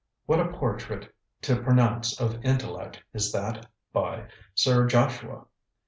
What a portrait to pronounce of intellect is that by Sir Joshua!